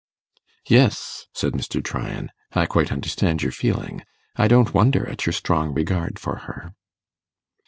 'Yes,' said Mr. Tryan, 'I quite understand your feeling; I don't wonder at your strong regard for her.